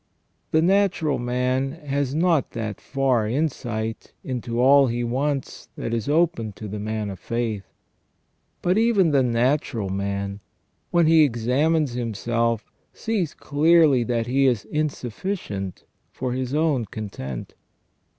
The natural man has not that far insight into all he wants that is open to the man of faith, but even the natural man, when he examines himself, sees clearly that he is insufficient for his own content.